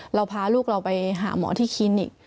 เราพาลูกเราไปหาหมอที่คลินิก